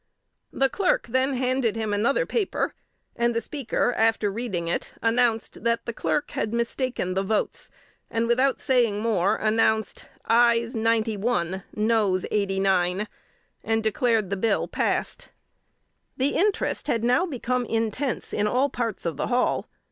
The Clerk then handed him another paper, and the Speaker, after reading it, announced that the Clerk had mistaken the vote, and without saying more, announced "ayes ninety one, noes eighty nine," and declared the bill "passed." The interest had now become intense in all parts of the hall.